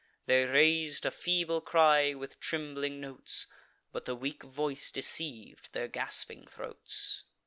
They rais'd a feeble cry, with trembling notes; But the weak voice deceiv'd their gasping throats.